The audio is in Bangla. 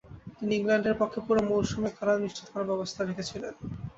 তিনি ইংল্যান্ডের পক্ষে পুরো মৌসুমে খেলা নিশ্চিত করার ব্যবস্থা রেখেছিলেন।